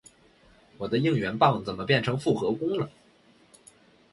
我的应援棒怎么变成复合弓了？